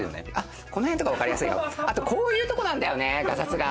こういうとこなんだよね、ガサツが。